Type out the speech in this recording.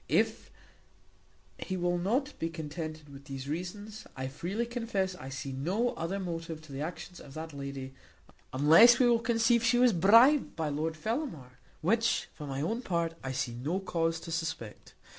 If he will not be contented with these reasons, I freely confess I see no other motive to the actions of that lady, unless we will conceive she was bribed by Lord Fellamar, which for my own part I see no cause to suspect.